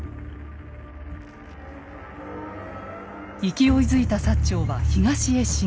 勢いづいた長は東へ進軍。